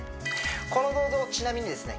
この銅像ちなみにですね